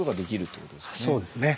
そうですね。